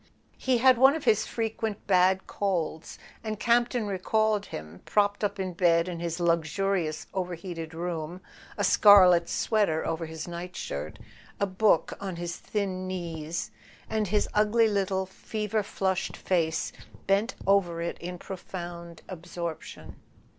He had one of his frequent bad colds, and Campton recalled him, propped up in bed in his lux¬ urious overheated room, a scarlet sweater over his nightshirt, a book on his thin knees, and his ugly little fever flushed face bent over it in profound absorption.